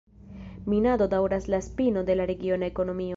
Minado daŭras la spino de la regiona ekonomio.